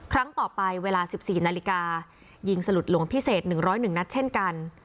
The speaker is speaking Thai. ครั้งต่อไปเวลาสิบสี่นาฬิกายิงสลุดหลวงพิเศษหนึ่งร้อยหนึ่งนัดเช่นกัน